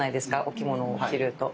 お着物を着ると。